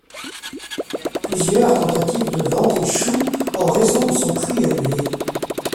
Plusieurs tentatives de ventes échouent en raison de son prix élevé.